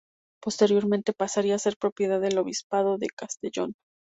Posteriormente pasaría a ser propiedad del obispado de Castellón.